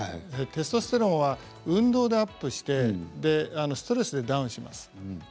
テストステロンは運動でアップしてストレスでダウンします。